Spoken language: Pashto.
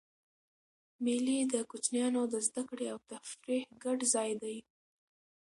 مېلې د کوچنيانو د زدهکړي او تفریح ګډ ځای دئ.